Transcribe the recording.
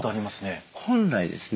本来ですね